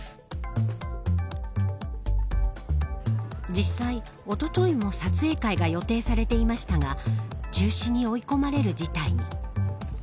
実際、おとといも撮影会が予定されていましたが中止に追い込まれる事態に。